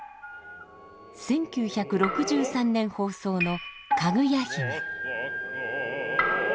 １９６３年放送の「かぐや姫」。